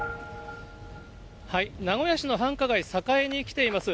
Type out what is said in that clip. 名古屋市の繁華街、栄に来ています。